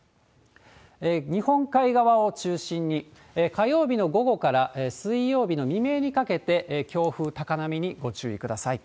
日本海側を中心に、火曜日の午後から水曜日の未明にかけて強風、高波にご注意ください。